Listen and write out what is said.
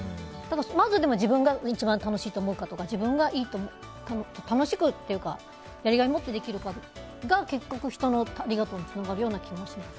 まず自分が一番楽しいと思うかとかやりがいを持ってできるかが結局、人のありがとうにつながる気がします。